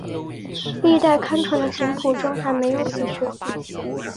历代刊传的琴谱中还没有此曲。